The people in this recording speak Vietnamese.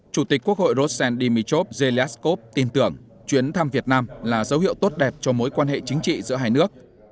chủ tịch quốc hội rossan dmitov zelenskov tin tưởng chuyến thăm việt nam là dấu hiệu tốt đẹp cho mối quan hệ chính trị giữa hai nước